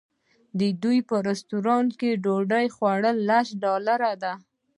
د دوی په رسټورانټ کې ډوډۍ لس ډالره ده.